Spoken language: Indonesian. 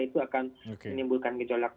itu akan menimbulkan gejolak